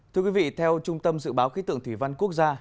thưa quý vị theo trung tâm dự báo khí tượng thủy văn quốc gia